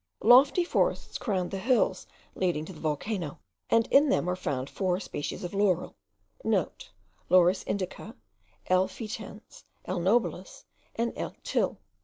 Lofty forests crown the hills leading to the volcano, and in them are found four species of laurel,* (* Laurus indica, L. foetens, L. nobilis, and L. Til.